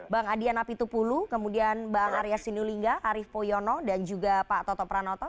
bang adian apitupulu kemudian bang arya sinulinga arief poyono dan juga pak toto pranoto